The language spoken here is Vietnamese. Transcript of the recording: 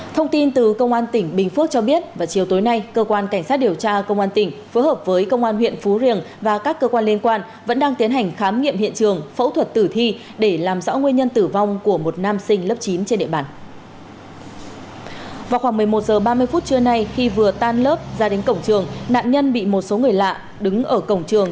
thông tin từ công an tỉnh bình phước cho biết vào chiều tối nay cơ quan cảnh sát điều tra công an tỉnh phối hợp với công an huyện phú riềng và các cơ quan liên quan vẫn đang tiến hành khám nghiệm hiện trường phẫu thuật tử thi để làm rõ nguyên nhân tử vong của một nam sinh lớp chín trên địa bàn